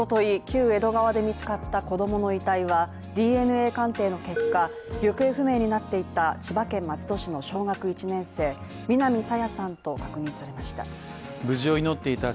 旧江戸川で見つかった子供の遺体はＤＮＡ鑑定の結果、行方不明になっていた千葉県松戸市の小学１年生南朝芽さんと確認されました。